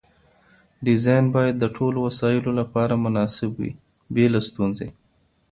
ډیزاین باید د ټولو وسایلو لپاره مناسب وي بې له ستونزې.